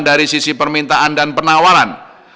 dari sisi permintaan dan penawaran